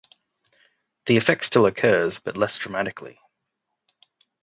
The effect still occurs, but less dramatically.